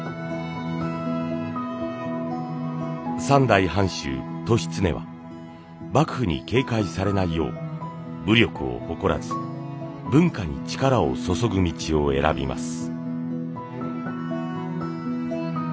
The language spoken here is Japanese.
三代藩主・利常は幕府に警戒されないよう武力を誇らず文化に力を注ぐ道を選びます。